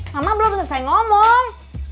mama belum selesai ngomong